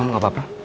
kamu gak apa apa